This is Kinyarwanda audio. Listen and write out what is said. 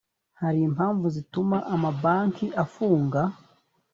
hari impamvu zituma amabanki afunga .